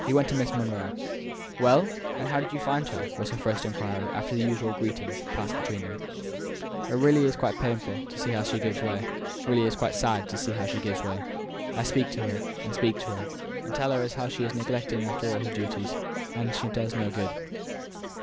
He went to Miss Monro. "Well! and how did you find her?" was her first inquiry, after the usual greetings had passed between them. "It is really quite sad to see how she gives way; I speak to her, and speak to her, and tell her how she is neglecting all her duties, and it does no good."